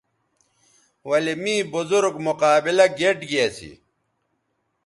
ولے می بزرگ مقابلہ گیئٹ گی اسی